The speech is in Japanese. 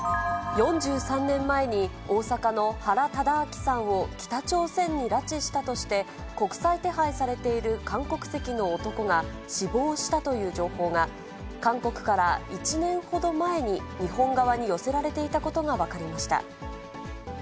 ４３年前に、大阪の原敕晁さんを北朝鮮に拉致したとして、国際手配されている韓国籍の男が死亡したという情報が、韓国から１年ほど前に日本側に寄せられていたことが分かりました。